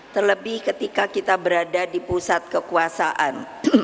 terlebih ketika kita berada di pusat kekuasaan